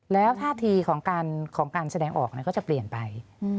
แล้วท่าทีของการแสดงออกก็จะเปลี่ยนไป